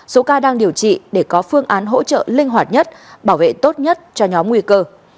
số ca đang điều trị để có phương án hỗ trợ linh hoạt nhất bảo vệ tốt nhất cho nhóm nguy cơ